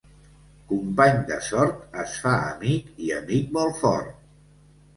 Company de sort, es fa amic i amic molt fort.